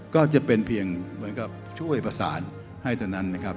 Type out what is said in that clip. ก็จะเป็นเพียงช่วยประสานให้เท่านั้นนะครับ